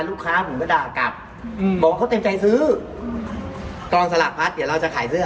ลูกค้าผมก็ด่ากลับอืมบอกเขาเต็มใจซื้อกองสลากพัดเดี๋ยวเราจะขายเสื้อ